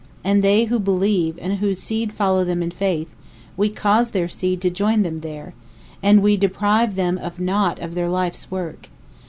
P: And they who believe and whose seed follow them in faith, We cause their seed to join them (there), and We deprive them of nought of their (life's) work.